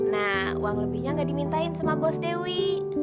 nah uang lebihnya nggak dimintain sama bos dewi